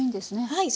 はい。